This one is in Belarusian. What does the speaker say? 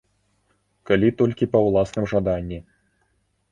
Калі толькі па ўласным жаданні.